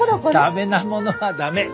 駄目なものは駄目。